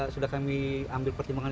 sudah kami ambil pertimbangan